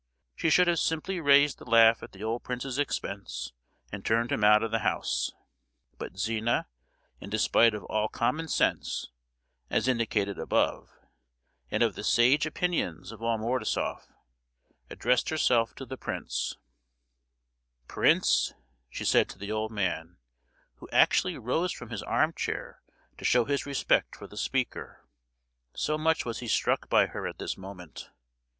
She should have simply raised the laugh at the old prince's expense, and turned him out of the house! But Zina, in despite of all common sense (as indicated above), and of the sage opinions of all Mordasoff, addressed herself to the prince: "Prince," she said to the old man, who actually rose from his arm chair to show his respect for the speaker, so much was he struck by her at this moment!